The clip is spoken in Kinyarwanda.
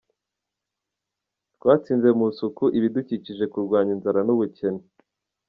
Twatsinze mu isuku, ibidukikije, kurwanya inzara n’ubukene.